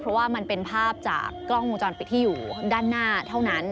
เพราะว่ามันเป็นภาพจากกล้องวงจรปิดที่อยู่ด้านหน้าเท่านั้น